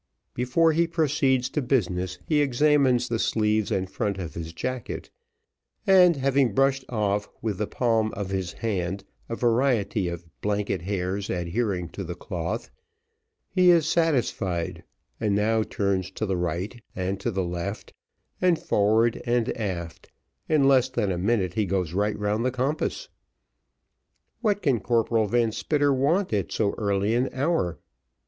Before he proceeds to business, he examines the sleeves and front of his jacket, and having brushed off with the palm of his hand a variety of blanket hairs, adhering to the cloth, he is satisfied, and now turns to the right and to the left, and forward and aft in less than a minute he goes right round the compass. What can Corporal Van Spitter want at so early an hour?